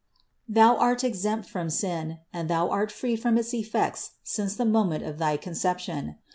Thou art exempt from sin and thou art free from its effects since the moment of thy Conception.